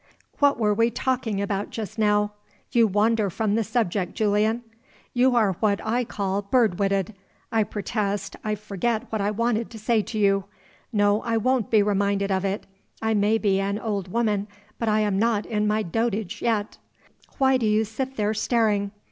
What were we talking about just now? You wander from the subject, Julian; you are what I call bird witted. I protest I forget what I wanted to say to you. No, I won't be reminded of it. I may be an old woman, but I am not in my dotage yet! Why do you sit there staring?